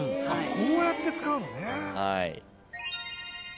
こうやって使うのね。